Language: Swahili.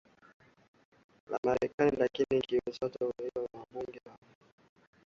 la Marekani lakini wawakilishi hao si wabunge